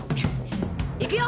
行くよ！